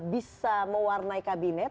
bisa mewarnai kabinet